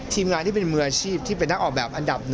ทีมงานที่เป็นมืออาชีพที่เป็นนักออกแบบอันดับ๑